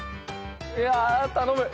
いや頼む。